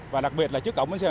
và đặc biệt là trước cổng bến xe